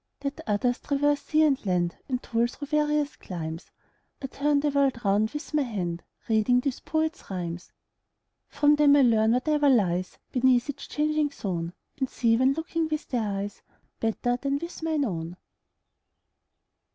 Let others traverse sea and land, And toil through various climes, 30 I turn the world round with my hand Reading these poets' rhymes. From them I learn whatever lies Beneath each changing zone, And see, when looking with their eyes, 35 Better than with mine own.